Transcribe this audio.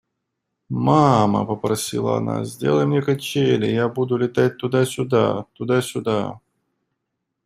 – Мама, – попросила она, – сделай мне качели, и я буду летать туда-сюда, туда-сюда.